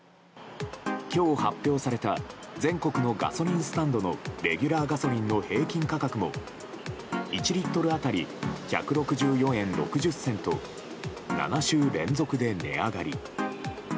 今日、発表された全国のガソリンスタンドのレギュラーガソリンの平均価格も１リットル当たり１６４円６０銭と７週連続で値上がり。